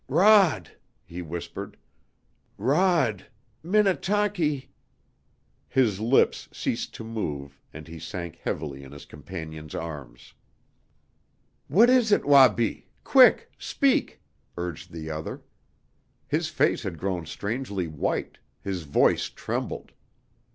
"Rod " he whispered, "Rod Minnetaki " His lips ceased to move and he sank heavily in his companion's arms. "What is it, Wabi? Quick! Speak!" urged the other. His face had grown strangely white, his voice trembled.